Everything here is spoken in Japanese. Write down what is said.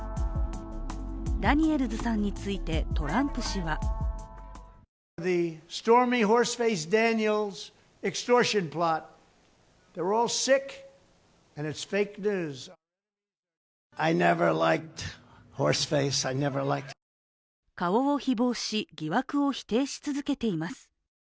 ダニエルズさんについてトランプ氏は顔をひぼうし、疑惑を否定し続けています。